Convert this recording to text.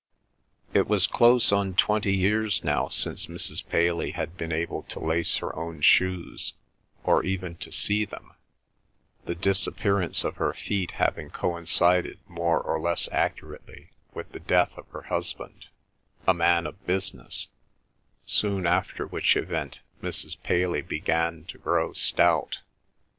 It was close on twenty years now since Mrs. Paley had been able to lace her own shoes or even to see them, the disappearance of her feet having coincided more or less accurately with the death of her husband, a man of business, soon after which event Mrs. Paley began to grow stout.